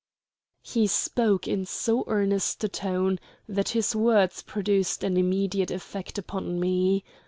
He spoke in so earnest a tone that his words produced an immediate effect upon me.